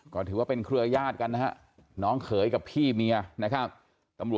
ก็ถือว่าเป็นเครือยาศกันนะฮะน้องเขยกับพี่เมียนะครับ